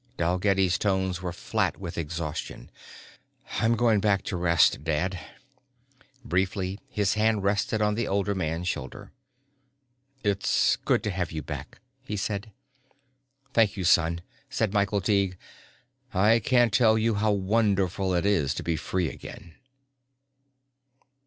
Dalgetty's tones were flat with exhaustion. "I'm going back to rest, Dad." Briefly his hand rested on the older man's shoulder. "It's good to have you back," he said. "Thank you, son," said Michael Tighe. "I can't tell you how wonderful it is to be free again."